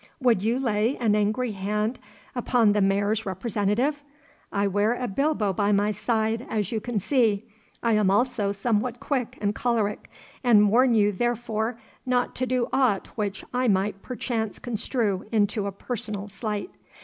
'Would you lay an angry hand upon the Mayor's representative? I wear a bilbo by my side, as you can see. I am also somewhat quick and choleric, and warn you therefore not to do aught which I might perchance construe into a personal slight.